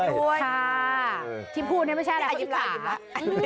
ค่ะที่พูดนี่ไม่ใช่แล้วเขาบินขา